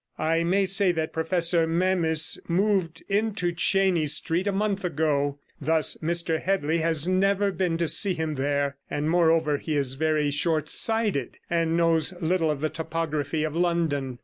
I may say that Professor Memys moved into Chenies Street a month ago; thus Mr Headley has never been to see him there, and, moreover, he is very short sighted, and knows little of the topography of London.